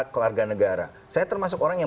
kelarganegara saya termasuk orang yang